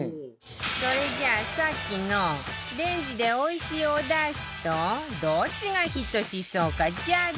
それじゃあさっきのレンジで美味しいおだしとどっちがヒットしそうかジャッジ